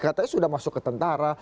katanya sudah masuk ke tentara